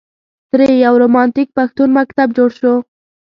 ترې یو رومانتیک پښتون مکتب جوړ شو.